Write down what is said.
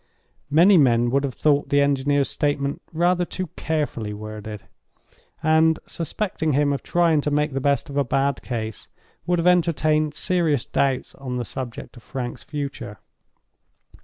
Many men would have thought the engineer's statement rather too carefully worded; and, suspecting him of trying to make the best of a bad case, would have entertained serious doubts on the subject of Frank's future.